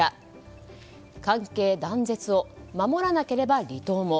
関係断絶を守らなければ離党も。